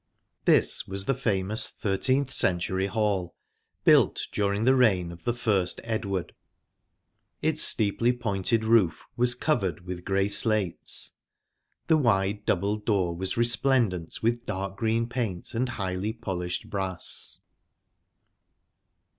This was the famous thirteenth century hall, built during the reign of the first Edward. Its steeply pointed roof was covered with grey slates. The wide double door was resplendent with dark green paint and highly polished brass.